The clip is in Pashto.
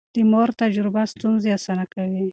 د مور تجربه ستونزې اسانه کوي.